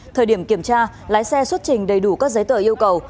thời điểm kiểm tra lái xe xuất trình đầy đủ các giấy tờ yêu cầu